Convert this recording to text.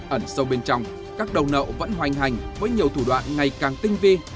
ẩn sâu bên trong các đầu nậu vẫn hoành hành với nhiều thủ đoạn ngày càng tinh vi